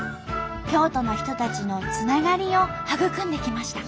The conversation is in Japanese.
京都の人たちのつながりを育んできました。